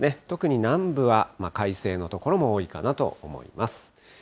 特に南部は、快晴の所も多いかなと思います。